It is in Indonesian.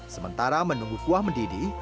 sementara menunggu kuah mendidih